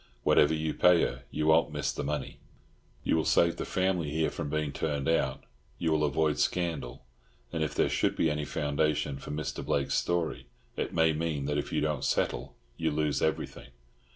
Whatever you pay her, you won't miss the money. You will save the family here from being turned out; you will avoid scandal; and if there should be any foundation for Mr. Blake's story, it may mean that if you don't settle you lose everything."